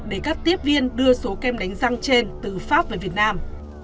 để các tiếp viên đưa số kem đánh răng trên từ pháp về việt nam